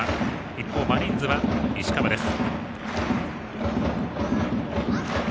一方、マリーンズは石川です。